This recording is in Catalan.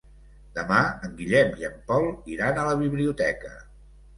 Demà en Guillem i en Pol iran a la biblioteca.